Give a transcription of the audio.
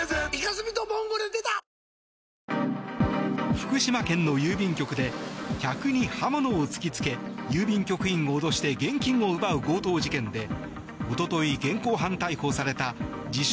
福島県の郵便局で客に刃物を突きつけ郵便局員を脅して現金を奪う強盗事件でおととい現行犯逮捕された自称